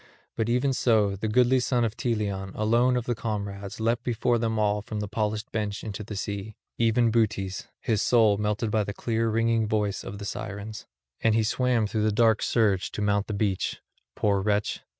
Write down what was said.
But even so the goodly son of Teleon alone of the comrades leapt before them all from the polished bench into the sea, even Butes, his soul melted by the clear ringing voice of the Sirens; and he swam through the dark surge to mount the beach, poor wretch.